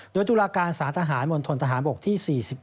โดยตุลาการสารทหารมณฑนทหารบกที่๔๗